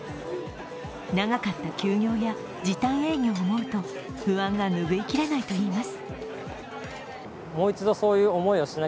長かった休業や時短営業を思うと不安がぬぐいきれないといいます。